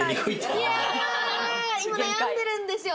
今、悩んでるんですよ。